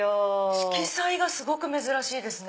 色彩がすごく珍しいですね。